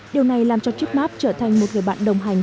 điều này làm cho tripmap trở thành một người bạn đồng hành